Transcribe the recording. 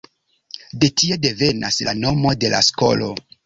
De tie devenas la nomo de la skolo.